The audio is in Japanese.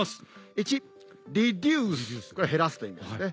１リデュースこれ「減らす」という意味ですね。